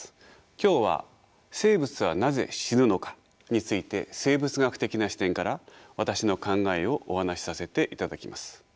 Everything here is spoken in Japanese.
今日は生物はなぜ死ぬのかについて生物学的な視点から私の考えをお話しさせていただきます。